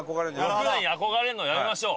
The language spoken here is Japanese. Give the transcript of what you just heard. ６に憧れるのやめましょう。